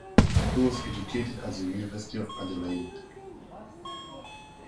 He was educated at The University of Adelaide.